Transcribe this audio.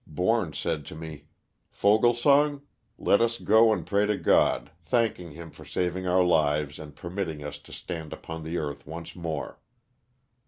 Borns said to me, *' Foglesong, let us go and pray to God, thanking Him for saving our lives and permitting us to stand upon the earth once more?"